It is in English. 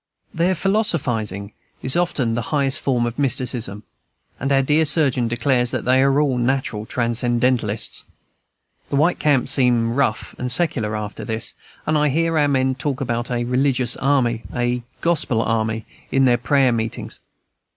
Their philosophizing is often the highest form of mysticism; and our dear surgeon declares that they are all natural transcendentalists. The white camps seem rough and secular, after this; and I hear our men talk about "a religious army," "a Gospel army," in their prayer meetings.